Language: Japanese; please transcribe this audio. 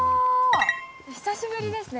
久しぶりですね